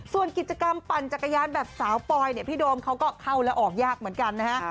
ส่วนกิจกรรมปั่นจักรยานแบบสาวปอยเนี่ยพี่โดมเขาก็เข้าแล้วออกยากเหมือนกันนะฮะ